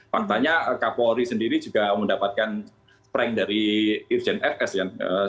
faktanya kapolri sendiri juga mendapatkan prank dari irjen fs ya